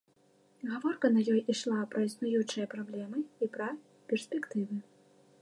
Гаворка на ёй ішла пра існуючыя праблемы і пра перспектывы.